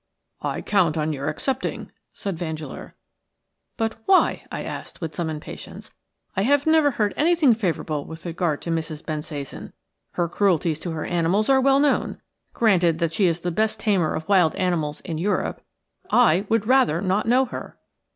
COUNT on your accepting," said Vandeleur. "But why?" I asked, with some impatience. "I have never heard anything favourable with regard to Mrs. Bensasan. Her cruelties to her animals are well known. Granted that she is the best tamer of wild animals in Europe, I would rather not know her."